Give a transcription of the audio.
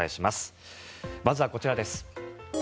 まずは、こちらです。